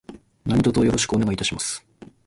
何卒よろしくお願いいたします。